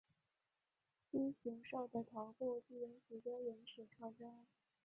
蜥熊兽的头部具有许多原始特征。